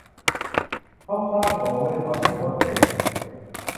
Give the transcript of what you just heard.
เขาขว้างของเล่นออกจากรถเข็น